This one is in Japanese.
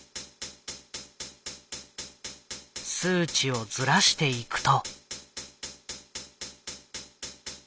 数値をずらしていくと。